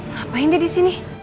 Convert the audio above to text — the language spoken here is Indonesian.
ngapain dia disini